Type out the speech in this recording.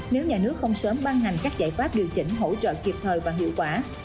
nếu nhà nước không sớm ban hành các giải pháp điều chỉnh hỗ trợ kịp thời và hiệu quả